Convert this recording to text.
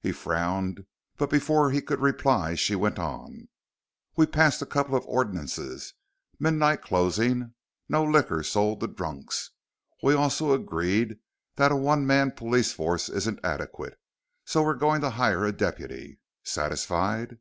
He frowned, but before he could reply she went on. "We passed a couple of ordinances. Midnight closing. No liquor sold to drunks. We also agreed that a one man police force isn't adequate, so we're going to hire a deputy. Satisfied?"